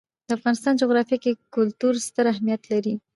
د افغانستان جغرافیه کې کلتور ستر اهمیت لري.